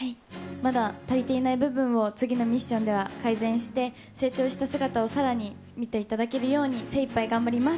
まだ足りていない部分を次のミッションでは改善して、成長した姿をさらに見ていただけるように、精いっぱい頑張ります。